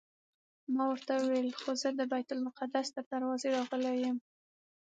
ما ورته وویل خو زه د بیت المقدس تر دروازې راغلی یم.